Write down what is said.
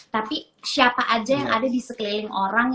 tapi siapa aja yang ada di sekeliling orang